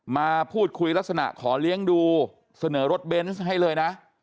มาพูดคุยลักษณะขอเลี้ยงดูเสนอรถเบนส์ให้เลยนะ